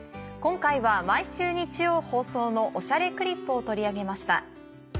今回は毎週日曜放送の『おしゃれクリップ』を取り上げました。